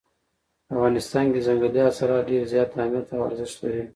په افغانستان کې ځنګلي حاصلات ډېر زیات اهمیت او ارزښت لري.